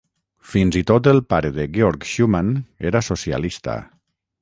Fins i tot el pare de Georg Schumann era socialista.